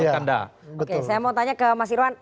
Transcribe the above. oke saya mau tanya ke mas irwan